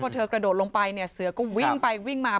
พอเธอกระโดดลงไปเนี่ยเสือก็วิ่งไปวิ่งมา